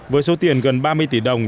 với số tiền gần ba mươi tỷ đồng